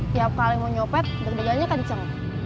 tiap kali mau nyopet deg degannya kancing